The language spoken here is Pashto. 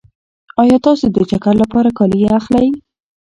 ایا تاسې د چکر لپاره کالي اخلئ؟